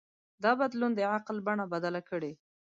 دا بدلون د عقل بڼه بدله کړه.